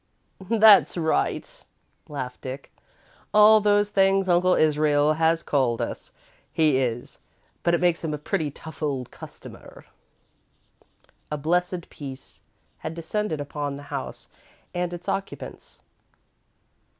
'" "That's right," laughed Dick. "All those things Uncle Israel has called us, he is, but it makes him a pretty tough old customer." A blessed peace had descended upon the house and its occupants.